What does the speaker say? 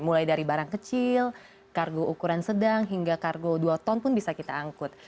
mulai dari barang kecil kargo ukuran sedang hingga kargo dua ton pun bisa kita angkut